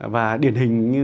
và điển hình như